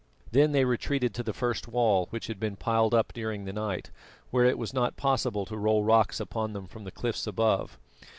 Then they retreated to the first wall, which had been piled up during the night, where it was not possible to roll rocks upon them from the cliffs above.